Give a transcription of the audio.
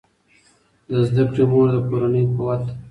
د زده کړې مور د کورنۍ قوت ده.